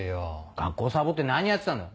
学校サボって何やってたんだ。